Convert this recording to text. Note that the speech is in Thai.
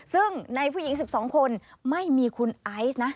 ซึ่งในผู้หญิง๑๒คนไม่มีคุณไอซ์นะ